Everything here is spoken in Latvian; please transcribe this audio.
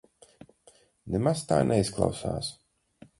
Nemaz tā neizklausās.